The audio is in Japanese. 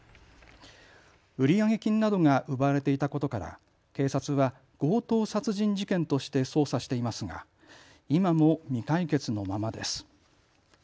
売上金などが奪われていたことから警察は強盗殺人事件として捜査してしていますが今も未解決のままです。